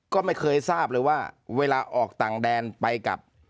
ก็ไม่เคยทราบเลยว่าเวลาออกต่างแดนไปกับ